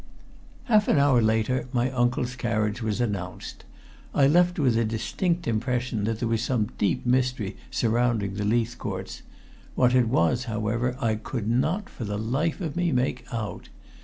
Half an hour later my uncle's carriage was announced, and I left with the distinct impression that there was some deep mystery surrounding the Leithcourts. What it was, however, I could not, for the life of me, make out.